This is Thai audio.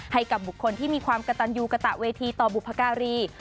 ให้กับบุคคลที่มีความกระตันยูกระตะเวทีต่อบุพการี